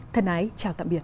thân ái chào tạm biệt